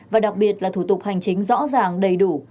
và đặc biệt là thủ tục hành chính rõ ràng đầy đủ